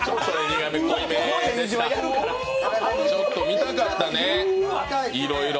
ちょっと見たかったね、いろいろ。